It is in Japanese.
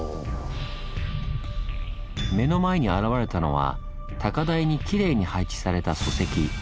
目の前に現れたのは高台にきれいに配置された礎石。